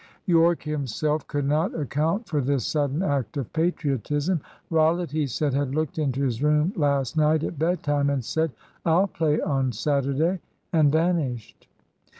Yorke himself could not account for this sudden act of patriotism. Rollitt, he said, had looked into his room last night at bedtime and said "I'll play on Saturday," and vanished.